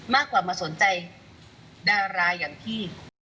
มากกว่ามาสนใจดาราอย่างพี่